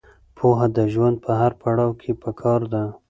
پوهه د ژوند په هر پړاو کې پکار ده.